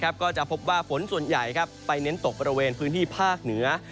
ก็จะพบว่าฝนส่วนใหญ่ไปเน้นตกบริเวณพื้นที่ภาคเหนือ